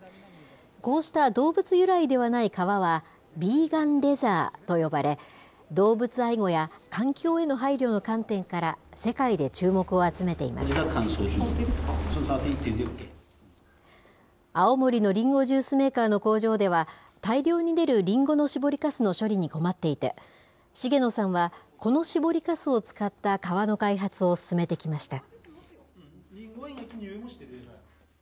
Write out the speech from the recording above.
こうした動物由来ではない革は、ヴィーガンレザーと呼ばれ、動物愛護や環境への配慮の観点から、青森のりんごジュースメーカーの工場では、大量に出るりんごの搾りかすの処理に困っていて、重野さんはこの搾りかすを使った革の開発を進めてきました。